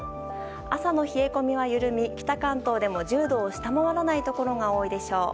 朝の冷え込みは緩み北関東でも１０度を下回らないところが多いでしょう。